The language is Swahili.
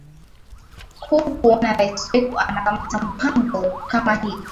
ku kuona rais wetu anakamata mpango kama hii